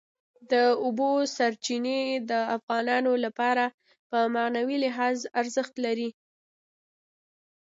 د اوبو سرچینې د افغانانو لپاره په معنوي لحاظ ارزښت لري.